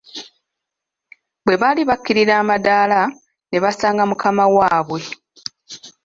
Bwe baali bakkirira amadaala ne basanga mukama waabwe!